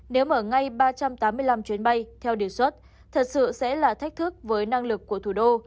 nếu mở ngay ba trăm tám mươi năm chuyến bay theo đề xuất thật sự sẽ là thách thức với năng lực của thủ đô